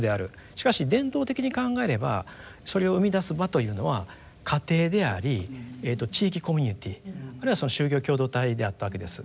しかし伝統的に考えればそれを生み出す場というのは家庭であり地域コミュニティーあるいはその就業共同体であったわけです。